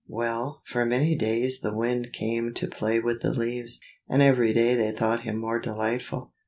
Well, for many days the Wind came to play with the leaves, and every day they thought him more delightful.